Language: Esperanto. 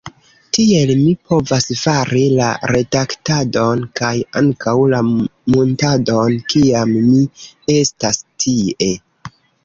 Tiel mi povas fari la redaktadon kaj ankaŭ la muntadon, kiam mi estas tie.